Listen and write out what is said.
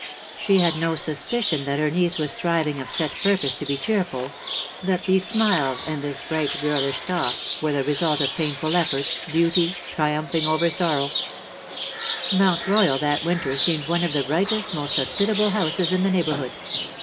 She had no suspicion that her niece was striving of set purpose to be cheerful — that these smiles and this bright girlish talk were the result of painful effort^ duty triumphing over sorrow, VOL. IT. E 50 Mount Royal that winter seemed one of tlie brightest, most hospitable houses in the neigh bourhood.